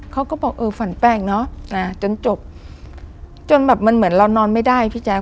เขาก็บอกเออฝันแปลกเนอะจนจบจนแบบมันเหมือนเรานอนไม่ได้พี่แจ๊ค